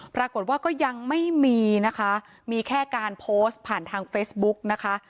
ก็ยังไม่มีนะคะมีแค่การโพสต์ผ่านทางเฟซบุ๊กนะคะ